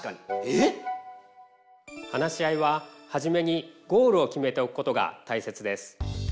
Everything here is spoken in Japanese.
えっ？話し合いははじめにゴールを決めておくことがたいせつです。